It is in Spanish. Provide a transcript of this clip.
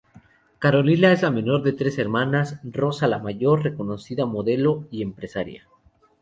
Carolina es la menor de tres hermanas: Rosa, la mayor, reconocida modelo y empresaria.